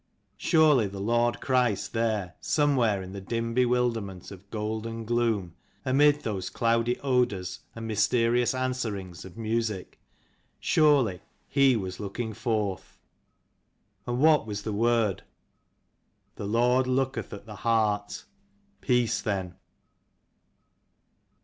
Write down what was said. Surely the Lord Christ there, somewhere in the dim bewilderment of gold and gloom, amid those cloudy odours and mysterious answerings of music, surely He was looking forth. And what was the word ? The Lord looketh at the heart. Peace, then.